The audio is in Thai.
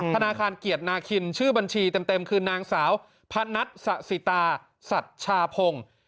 ธนาคารเกียรตินาคินชื่อบัญชีเต็มคือนางสาวพนัทสะสิตาสัชชาพงศ์